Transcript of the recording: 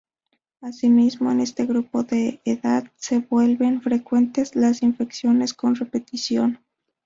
Asimismo, en este grupo de edad se vuelven frecuentes las infecciones con repetición.